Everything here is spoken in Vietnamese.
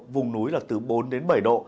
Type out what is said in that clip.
vùng núi là từ bốn đến bảy độ